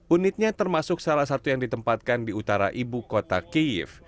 unitnya termasuk salah satu yang ditempatkan di utara ibu kota kiev